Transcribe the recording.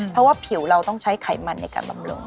เพราะว่าผิวเราต้องใช้ไขมันในการบำรุง